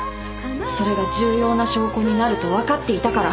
それが重要な証拠になると分かっていたから。